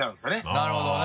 なるほどね。